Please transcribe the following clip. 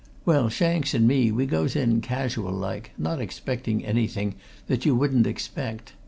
"Well, Shanks and me, we goes in, casual like, not expecting anything that you wouldn't expect.